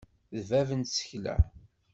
D bab n tsekla.